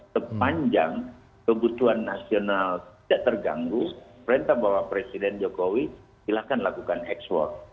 sepanjang kebutuhan nasional tidak terganggu perintah bapak presiden jokowi silahkan lakukan ekspor